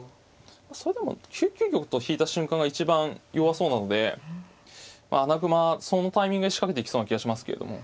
それでも９九玉と引いた瞬間が一番弱そうなので穴熊そのタイミングで仕掛けていきそうな気がしますけれども。